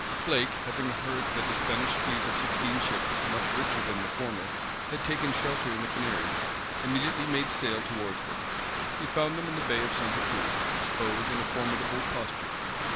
Blake, having heard that a Spanish fleet of sixteen ships, much richer than the former, had taken shelter in the Canaries, immediately made sail towards them. He found them in the Bay of Santa Cruz, disposed in a formidable posture.